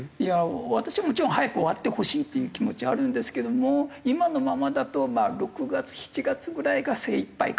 私はもちろん早く終わってほしいっていう気持ちはあるんですけども今のままだと６月７月ぐらいが精いっぱいかな。